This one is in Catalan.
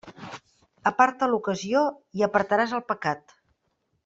Aparta l'ocasió i apartaràs el pecat.